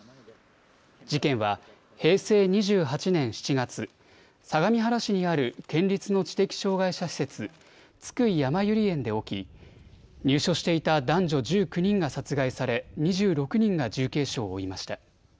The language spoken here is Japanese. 事件は平成２８年７月、相模原市にある県立の知的障害者施設、津久井やまゆり園で起き、入所していた男女１９人が殺害され、２６人が重軽傷を負いました。